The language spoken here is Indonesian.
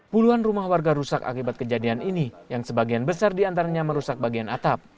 puluhan rumah warga rusak akibat kejadian ini yang sebagian besar diantaranya merusak bagian atap